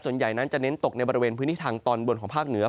ส่วนใหญ่นั้นจะเน้นตกในบริเวณพื้นที่ทางตอนบนของภาคเหนือ